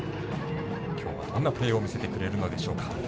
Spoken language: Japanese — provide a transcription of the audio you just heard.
今日は、どんなプレーを見せてくれるのでしょうか。